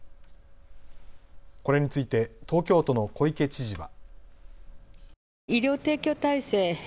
これについて東京都の小池知事は。